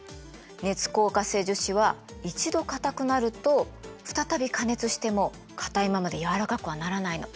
熱硬化性樹脂は一度硬くなると再び加熱しても硬いままで軟らかくはならないの。